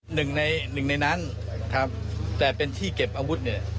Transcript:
หนึ่งในหนึ่งในนั้นครับแต่เป็นที่เก็บอาวุธเนี่ย